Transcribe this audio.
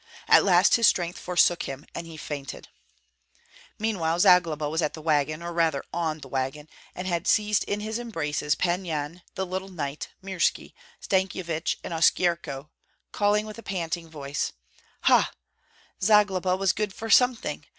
At last his strength forsook him, and he fainted. Meanwhile Zagloba was at the wagon, or rather on the wagon, and had seized in his embraces Pan Yan, the little knight, Mirski, Stankyevich, and Oskyerko, calling with panting voice, "Ha! Zagloba was good for something!